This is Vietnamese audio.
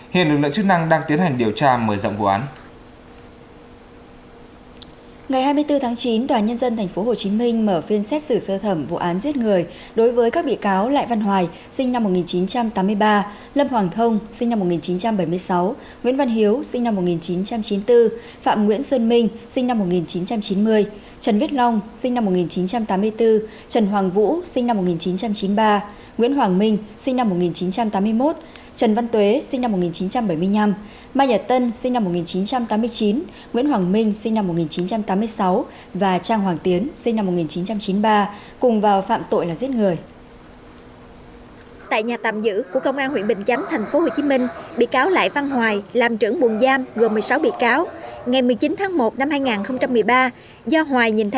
hiện lực lượng chức năng đang tiến hành điều tra mở rộng vụ án